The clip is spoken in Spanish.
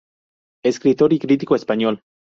Escritor y crítico español.